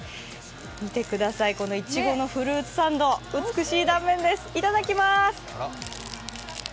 見てください、いちごのフルーツサンド、美しい断面です、いただきます。